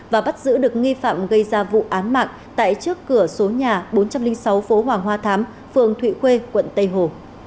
và bắt giữ được nghi phạm gây ra vụ án mạng tại trước cửa số nhà bốn trăm linh sáu phố hoàng hoa thám phường thụy khuê quận tây hồ